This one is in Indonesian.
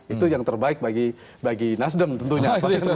itu yang terbaik bagi nasdem tentunya